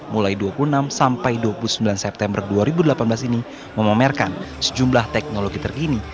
mulai dua puluh enam sampai dua puluh sembilan september dua ribu delapan belas ini memamerkan sejumlah teknologi terkini